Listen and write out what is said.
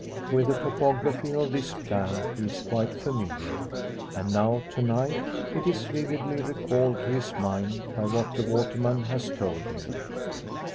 With the topography of this plan he is quite familiar; and now to night it is vividly recalled to his mind by what the waterman has told him.